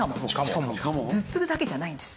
頭痛だけじゃないんです。